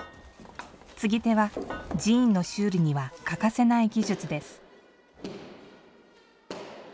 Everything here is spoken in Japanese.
継手は寺院の修理には欠かせない技術です。